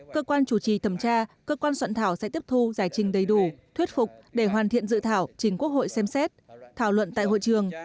cơ quan chủ trì thẩm tra cơ quan soạn thảo sẽ tiếp thu giải trình đầy đủ thuyết phục để hoàn thiện dự thảo chính quốc hội xem xét thảo luận tại hội trường